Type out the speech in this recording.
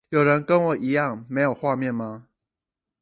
有人跟我一樣沒有畫面嗎？